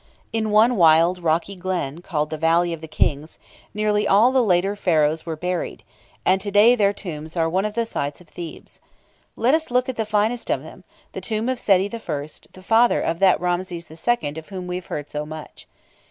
In one wild rocky glen, called the "Valley of the Kings," nearly all the later Pharaohs were buried, and to day their tombs are one of the sights of Thebes. Let us look at the finest of them the tomb of Sety I., the father of that Ramses II. of whom we have heard so much.